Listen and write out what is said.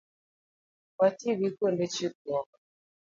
Wati gi kuonde chikruok